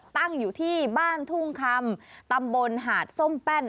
ตั้งอยู่ที่บ้านทุ่งคำตำบลหาดส้มแป้น